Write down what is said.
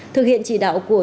thực hiện chỉ đạo của